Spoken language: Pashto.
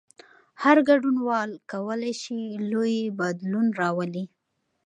هر ګډونوال کولای شي لوی بدلون راولي.